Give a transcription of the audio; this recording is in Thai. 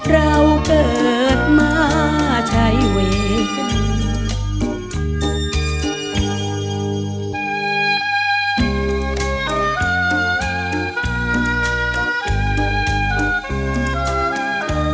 เราเกิดมาใช้เวทย์